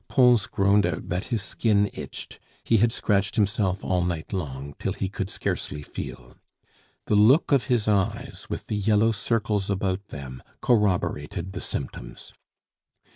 Pons groaned out that his skin itched; he had scratched himself all night long, till he could scarcely feel. The look of his eyes, with the yellow circles about them, corroborated the symptoms.